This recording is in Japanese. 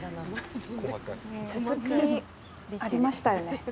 続き、ありましたよね。